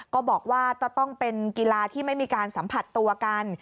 ก็ต้องบอกว่าจะต้องเป็นกีฬาที่ไม่มีการสัมผัสตัวกัน